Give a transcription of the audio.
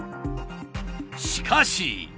しかし。